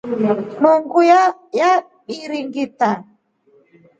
Nungu yabiringitra.